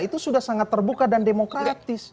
itu sudah sangat terbuka dan demokratis